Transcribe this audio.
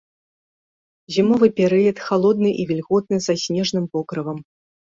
Зімовы перыяд халодны і вільготны са снежным покрывам.